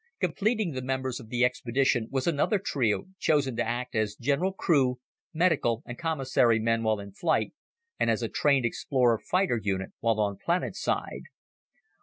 Completing the members of the expedition was another trio chosen to act as general crew, medical and commissary men while in flight, and as a trained explorer fighter unit while on planetside.